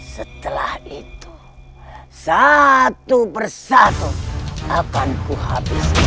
setelah itu satu persatu akan kuhabisi